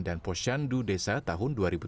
dan posyandu desa tahun dua ribu tujuh belas